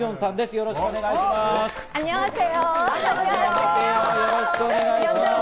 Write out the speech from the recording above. よろしくお願いします。